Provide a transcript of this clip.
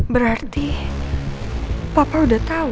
berarti papa udah tau